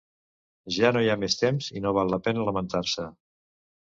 Ja no hi ha més temps i no val la pena lamentar-se.